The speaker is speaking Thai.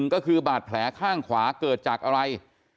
ก็คือบาดแผลข้างขวาเกิดจากอะไร